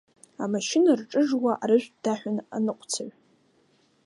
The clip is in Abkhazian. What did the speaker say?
Амашьына рҿыжуа арыжәтә даҳәон аныҟәцаҩ.